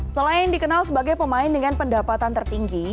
selain dikenal sebagai pemain dengan pendapatan tertinggi